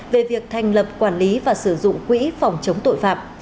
về việc thành lập quản lý và sử dụng quỹ phòng chống tội phạm